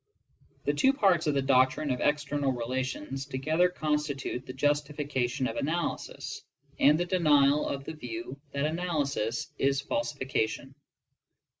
The two parts of the doctrine of external relations together constitute the justification of analysis, and the denial of the view that analysis is falsification.